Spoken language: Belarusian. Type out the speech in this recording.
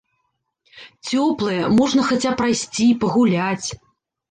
Цёплая, можна хаця прайсці, пагуляць.